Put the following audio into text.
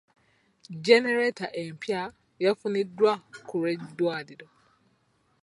Jjenereeta empya yafuniddwa ku lw'eddwaliro.